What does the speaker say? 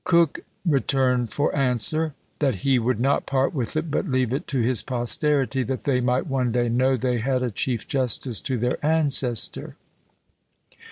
Coke returned for answer, that "he would not part with it, but leave it to his posterity, that they might one day know they had a chief justice to their ancestor."